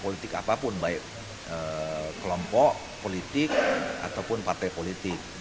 lompok politik ataupun partai politik